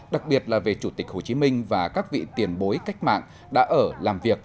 đặc biệt là về chủ tịch hồ chí minh và các vị tiền bối cách mạng đã ở làm việc